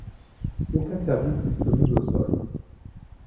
Aucun service disponible au sol.